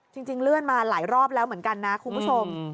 จริงเลื่อนมาหลายรอบแล้วเหมือนกันนะคุณผู้ชม